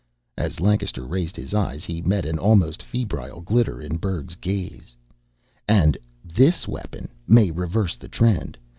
As Lancaster raised his eyes, he met an almost febrile glitter in Berg's gaze. "And this weapon may reverse the trend.